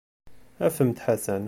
Afem-d Ḥasan.